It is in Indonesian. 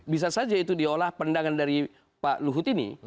bisa saja itu diolah pendangan dari pak luhut ini